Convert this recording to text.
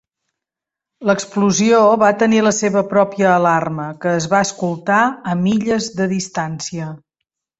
L"explosió va tenir la seva pròpia alarma, que es va escoltar a milles de distància.